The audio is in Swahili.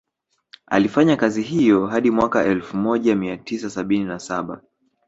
Alifanya kazi hiyo hadi mwaka elfu moja mia tisa sabini na saba